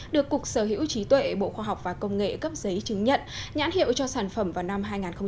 được cục sở hữu trí tuệ bộ khoa học và công nghệ cấp giấy chứng nhận nhãn hiệu cho sản phẩm vào năm hai nghìn một mươi